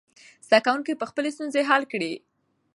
زده کوونکي به خپلې ستونزې حل کړي.